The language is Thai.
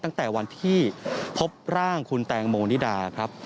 ตั้งแต่วันที่พบร่างคุณแตงโมนิดาครับ